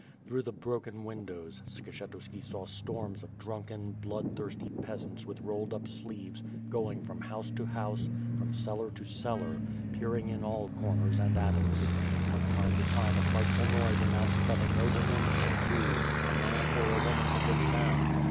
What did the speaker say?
Through the broken windows, Skshetuski saw swarms of drunken, blood thir&ty peasants with rolled up sleeves going from house to house, from cellar to cellar, peering in all corners and attics. From time to time a frightful noise announced that a nobleman, a Jew, a man, or a woman had been found.